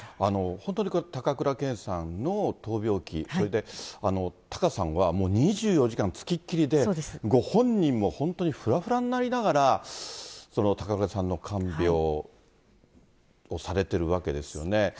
本当に高倉健さんの闘病記、それから貴月さんはもう２４時間付きっきりで、ご本人も本当にふらふらになりながら、高倉さんの看病をされてるわけですよね。